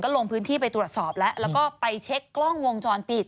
ลงพื้นที่ไปตรวจสอบแล้วแล้วก็ไปเช็คกล้องวงจรปิด